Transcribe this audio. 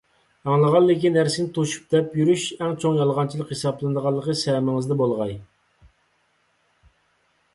ئاڭلىغانلىكى نەرسىنى توشۇپ دەپ يۈرۈش ئەڭ چوڭ يالغانچىلىق ھېسابلىنىدىغانلىقى سەمىڭىزدە بولغاي!